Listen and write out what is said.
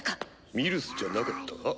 ミルスじゃなかったか？